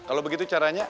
kalau begitu caranya